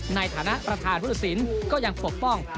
ในฐานะประทานบุตสินก็ยังปกป้อง